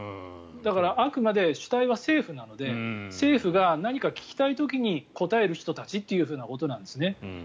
だからあくまで主体は政府なので政府が何か聞きたい時に答える人たちということなんですね。